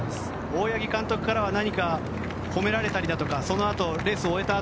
大八木監督からは何か褒められたりだとかレースを終えた